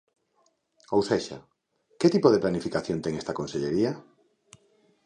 Ou sexa, ¿que tipo de planificación ten esta consellería?